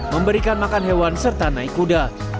memberikan makan hewan serta naik kuda